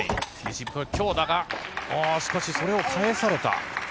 強打しかし、それを返された。